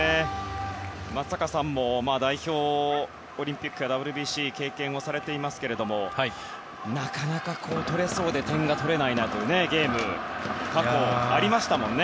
松坂さんも代表、オリンピックやＷＢＣ経験されていますがなかなか取れそうで点が取れないなというゲームは過去にありましたもんね。